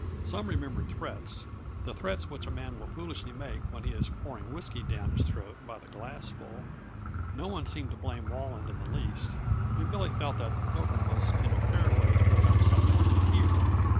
Some remembered threats the threats which a man will foolishly make when he is pouring whisky down his throat by the glassful. No one seemed to blame Walland in the least, and Billy felt that the Pilgrim was in a fair way to become something of a hero.